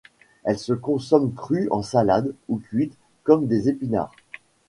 Elle se consomme crue en salade ou cuite comme des épinards.